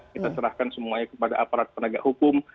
kita serahkan semuanya kepada aparat penegak hukum